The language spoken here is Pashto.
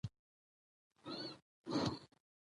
چي ګوربت د غره له څوکي په هوا سو